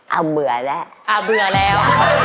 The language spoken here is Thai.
เอาเบื่อแล้วเอาเบื่อแล้ว